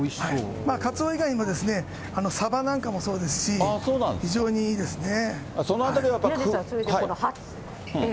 カツオ以外にも、サバなんかもそうですし、非常にいいですね。